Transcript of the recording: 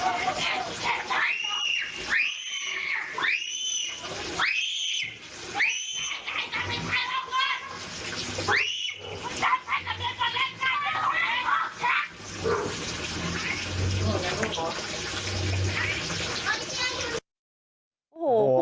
โอ้โหคุณ